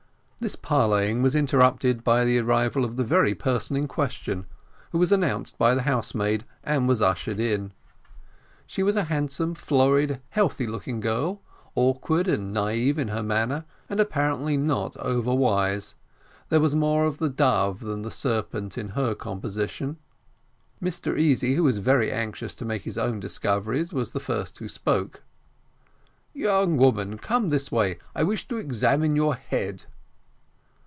This parleying was interrupted by the arrival of the very person in question, who was announced by the housemaid, and was ushered in. She was a handsome, florid, healthy looking girl, awkward and naive in her manner, and apparently not overwise; there was more of the dove than of the serpent in her composition. Mr Easy, who was very anxious to make his own discoveries, was the first who spoke. "Young woman, come this way, I wish to examine your head."